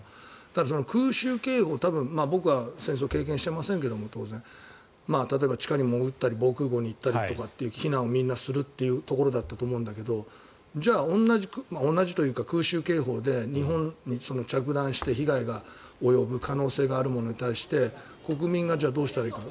ただ、空襲警報僕は戦争を経験していませんが当然例えば、地下にもぐったり防空壕にもぐったりとか避難をみんなするというところだと思うんだけど同じ同じというか空襲警報で日本に着弾して被害が及ぶ可能性があるものに対して国民がどうしたらいいか。